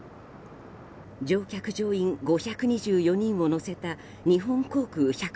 乗客・乗員５２４人を乗せた日本航空１２３